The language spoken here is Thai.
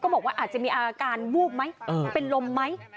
บอกว่าอาจจะมีอาการวูบไหมเป็นลมไหม